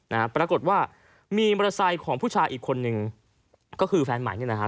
นะฮะปรากฏว่ามีมอเตอร์ไซค์ของผู้ชายอีกคนนึงก็คือแฟนใหม่เนี่ยนะฮะ